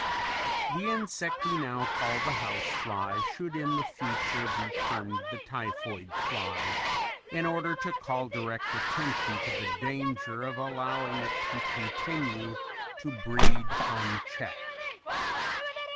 "_The insect we now call the 'house fly' should in the future be termed the 'typhoid fly,' in order to call direct attention to the danger of allowing it to continue to breed unchecked.